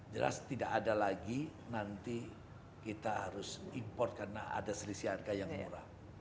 jelas tidak ada lagi nanti kita harus import karena ada selisih harga yang murah